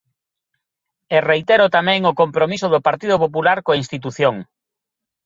E reitero tamén o compromiso do Partido Popular coa institución.